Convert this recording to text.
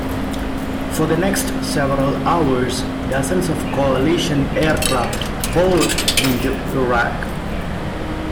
For the next several hours dozens of Coalition aircraft poured into Iraq.